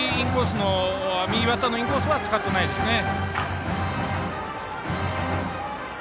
右バッターのインコースはあまり使ってないですね。